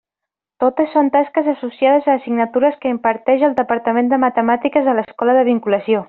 Totes són tasques associades a assignatures que imparteix el departament de Matemàtiques a l'escola de vinculació.